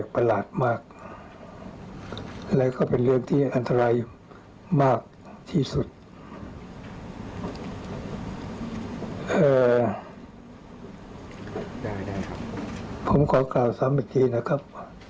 ผมขอกล่าวซ้ำอีกทีนะครับ